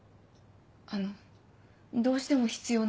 あのどうしても必要なの。